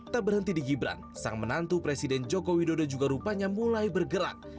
tak berhenti di gibran sang menantu presiden joko widodo juga rupanya mulai bergerak